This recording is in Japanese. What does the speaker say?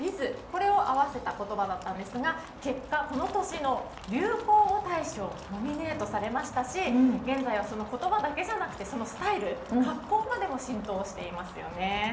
これを合わせた言葉だったんですが結果、この年の流行語大賞にノミネートされましたし現在はその言葉だけじゃなくてそのスタイル格好までも浸透していますよね。